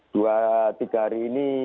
dua tiga hari ini